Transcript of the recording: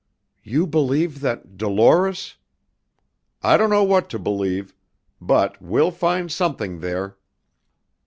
"You believe that Dolores " "I don't know what to believe. But we'll find something there!"